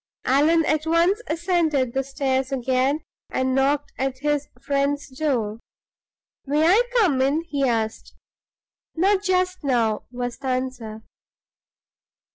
Allan at once ascended the stairs again, and knocked at his friend's door. "May I come in?" he asked. "Not just now," was the answer.